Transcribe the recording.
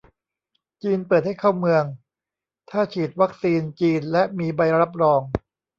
จีนเปิดให้เข้าเมืองถ้าฉีดวัคซีนจีนและมีใบรับรอง